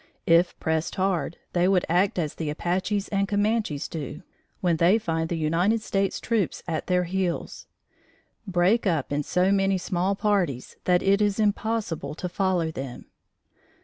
If pressed hard, they would act as the Apaches and Comanches do, when they find the United States troops at their heels break up in so many small parties that it is impossible to follow them.